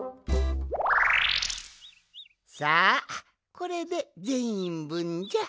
さあこれでぜんいんぶんじゃ。